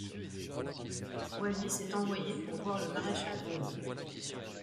Wallis est envoyé pour voir le maréchal Daun.